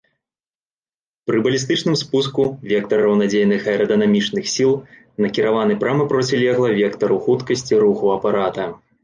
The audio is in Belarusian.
Пры балістычным спуску вектар раўнадзейных аэрадынамічных сіл накіраваны прама процілегла вектару хуткасці руху апарата.